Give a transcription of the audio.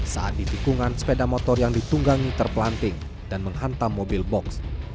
saat di tikungan sepeda motor yang ditunggangi terpelanting dan menghantam mobil box